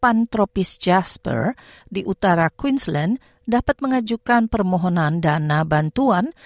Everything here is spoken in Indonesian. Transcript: pantropis jasper di utara queensland dapat mengajukan permohonan dana bantuan